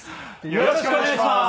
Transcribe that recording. よろしくお願いします。